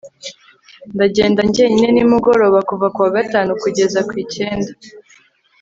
ndagenda njyenyine nimugoroba kuva kuwa gatanu kugeza ku icyenda